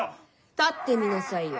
立ってみなさいよ。